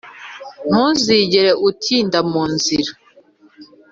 ntuzigere utinda mu nzira